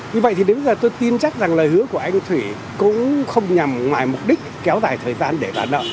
như vậy thì đến giờ tôi tin chắc rằng lời hứa của anh thủy cũng không nhằm ngoài mục đích kéo dài thời gian để trả nợ